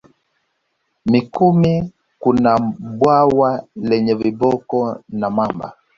Mikumi kuna bwawa lenye viboko na mamba